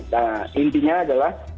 nah intinya adalah